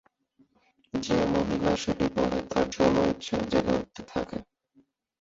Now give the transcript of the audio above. যে মহিলা সেটি পরে তার যৌন ইচ্ছা জেগে উঠতে থাকে।